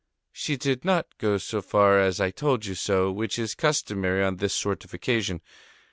She did not go so far as: "I told you so!" which is customary on this sort of occasion.